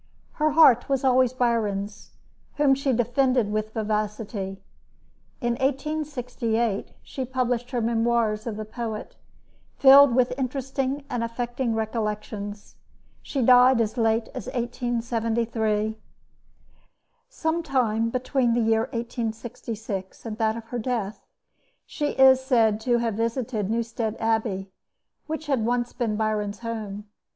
Her heart was always Byron's, whom she defended with vivacity. In 1868, she published her memoirs of the poet, filled with interesting and affecting recollections. She died as late as 1873. Some time between the year 1866 and that of her death, she is said to have visited Newstead Abbey, which had once been Byron's home.